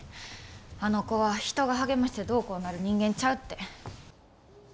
あの子は人が励ましてどうこうなる人間ちゃうって。